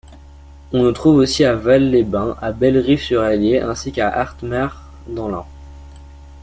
On en trouve aussi à Vals-les-Bains, à Bellerive-sur-Allier ainsi qu'à Artemare dans l'Ain.